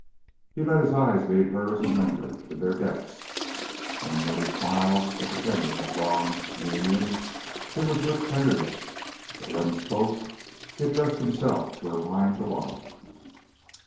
He let his eyes meet hers and linger in their depths, and when he smiled at the end of that long communion it was with tenderness. But when he spoke he addressed himself to her mind alone.